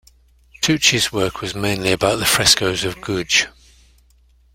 Tucci's work was mainly about the frescoes of Guge.